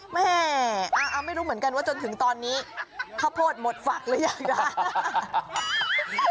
แม่อ่าอ่าไม่รู้เหมือนกันว่าจนถึงตอนนี้ข้าวโพดหมดฝักแล้วอย่างนั้น